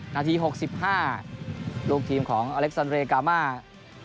นาที๖๕ลูกทีมของอเล็กซันเรกามา